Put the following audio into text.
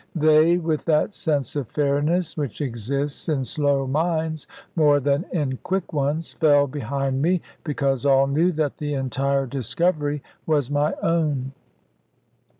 They (with that sense of fairness which exists in slow minds more than in quick ones) fell behind me, because all knew that the entire discovery was my own.